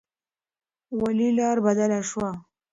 ولې لار بدله شوه؟